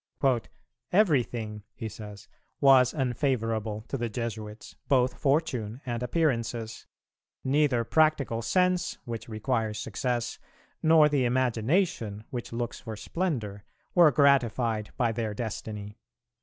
"Everything," he says, "was unfavourable to the Jesuits, both fortune and appearances; neither practical sense which requires success, nor the imagination which looks for splendour, were gratified by their destiny.